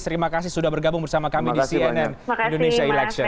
terima kasih sudah bergabung bersama kami di cnn indonesia election